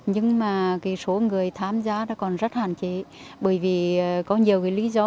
nhưng mà số người tham gia còn rất hạn chế bởi vì có nhiều lý do